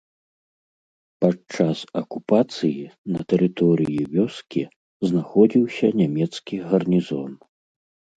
Падчас акупацыі на тэрыторыі вёскі знаходзіўся нямецкі гарнізон.